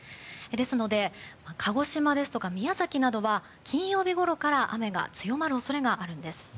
ですので鹿児島ですとか宮崎などは金曜日ごろから雨が強まる恐れがあるんです。